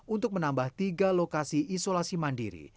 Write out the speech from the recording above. untuk menambah tiga lokasi isolasi mandiri